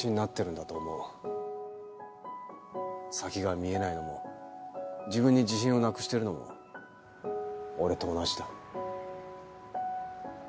先が見えないのも自分に自信をなくしてるのも俺と同じだ。